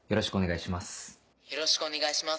よろしくお願いします。